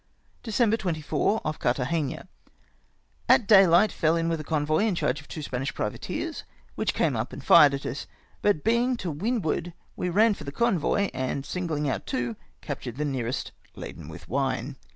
"December 24. — Off Carthagena. At daylight fell in with a convoy in charge of two Spanish privateers, which came up and fired at us ; hut being to windward we ran for the con voy, and singhng out two, captured the nearest, laden with wine.